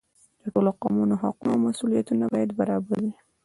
د ټولو قومونو حقونه او مسؤلیتونه باید برابر وي.